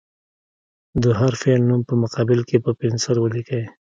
د هر فعل نوم په مقابل کې په پنسل ولیکئ.